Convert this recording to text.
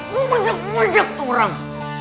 gue bajak bajak tuh orang